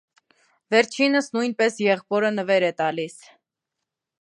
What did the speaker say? Վերջինս նույնպես եղբորը նվեր է տալիս։